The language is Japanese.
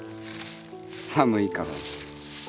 寒いから。